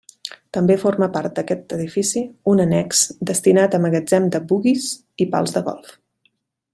També forma part d'aquest edifici un annex destinat a magatzem de buguis i pals de golf.